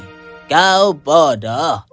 kau bodoh kau sangat bodoh